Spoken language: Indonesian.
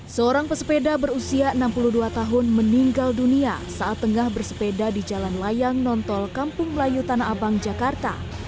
seorang pesepeda berusia enam puluh dua tahun meninggal dunia saat tengah bersepeda di jalan layang nontol kampung melayu tanah abang jakarta